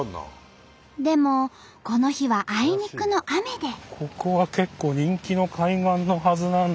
でもこの日はあいにくの雨で。